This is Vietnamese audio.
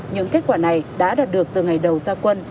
những kết quả này đã đạt được từ ngày đầu gia quân